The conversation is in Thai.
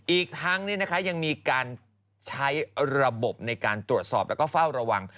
อีกทั้งยังมีการใช้ระบบในการตรวจสอบแล้วก็เฝ้าระวัง